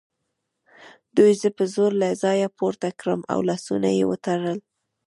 دوی زه په زور له ځایه پورته کړم او لاسونه یې وتړل